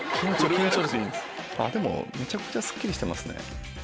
めちゃくちゃすっきりしてます。